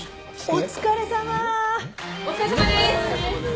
お疲れさまです。